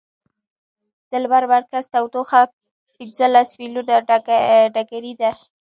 د لمر مرکز تودوخه پنځلس ملیونه ډګري ده.